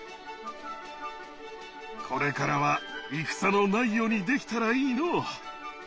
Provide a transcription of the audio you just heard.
これからは戦のない世にできたらいいのう。